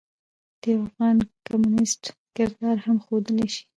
د يوافغان کميونسټ کردار هم ښودلے شي.